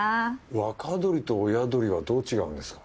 若どりと親どりはどう違うんですか？